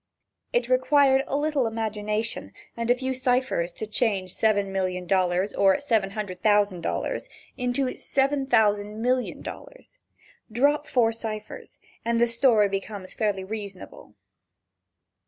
It required a little imagination and a few ciphers to change seven million dollars or seven hundred thousand dollars into seven thousand million dollars. Drop four ciphers and the story becomes fairly reasonable.